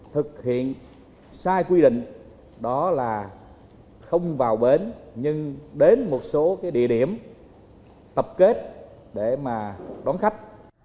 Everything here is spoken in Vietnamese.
thực hiện sai quy định đó là không vào bến nhưng đến một số địa điểm tập kết để mà đón khách